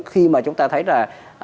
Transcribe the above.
khi mà chúng ta thấy là